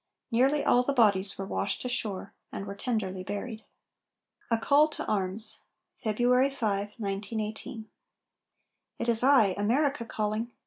Nearly all the bodies were washed ashore and were tenderly buried. A CALL TO ARMS [February 5, 1918] It is I, America, calling!